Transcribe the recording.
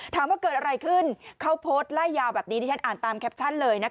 ถามว่าเกิดอะไรขึ้นเขาโพสต์ไล่ยาวแบบนี้ที่ฉันอ่านตามแคปชั่นเลยนะคะ